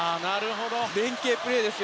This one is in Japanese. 連係プレーですよ